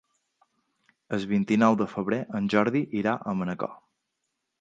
El vint-i-nou de febrer en Jordi irà a Manacor.